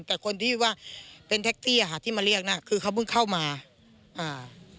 แต่คนที่ว่าเป็นที่มาเรียกน่ะคือเขาเพิ่งเข้ามาอ่า